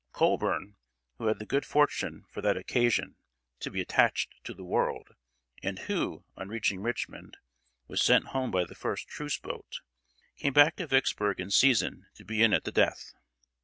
Colburn who had the good fortune, for that occasion, to be attached to The World, and who, on reaching Richmond, was sent home by the first truce boat came back to Vicksburg in season to be in at the death.